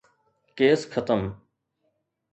Case ختم.